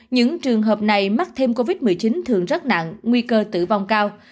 những trường hợp này mắc thêm covid một mươi chín thường rất nặng nguy cơ tử vong cao